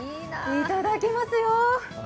いただきますよ。